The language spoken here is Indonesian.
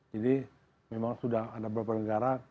jadi memang sudah ada beberapa negara